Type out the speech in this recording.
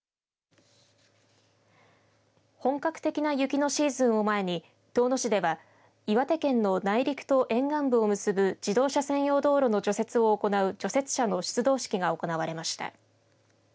本格的な雪のシーズンを前に遠野市では岩手県の内陸と沿岸部を結ぶ自動車専用道路の除雪を行う除雪車の出動式が行われました。